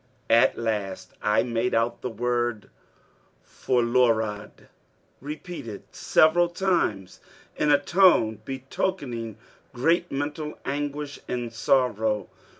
At last, I made out the word forlorad repeated several times in a tone betokening great mental anguish and sorrow.